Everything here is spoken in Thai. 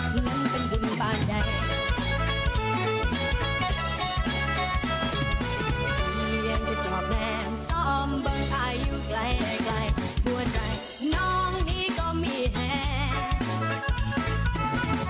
ก็เลยโดนมองว่าเราเรียนแบบ